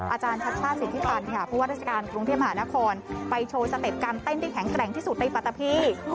อาจารย์ชัดภาพศิษย์ที่ตอนนี้ค่ะผู้ว่าอาจารย์กรุงเทียมหานครไปโชว์สเต็ปการณ์เต้นที่แข็งแกร่งที่สุดในปัตตาภีร์